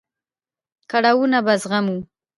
کړاوونه به زغمو.